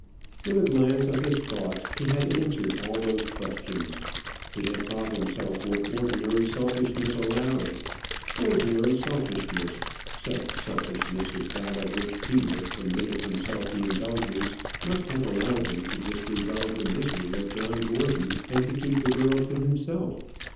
With a glance of his thoughts he had answered all those questions. He had taught himself what ordinary selfishness allowed. Ordinary selfishness, such selfishness as that of which he would have permitted himself the indulgence, must have allowed him to disregard the misery of John Gordon, and to keep the girl to himself.